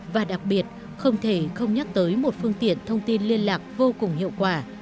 và đặc biệt không thể không nhắc tới một phương tiện thông tin liên lạc vô cùng hiệu quả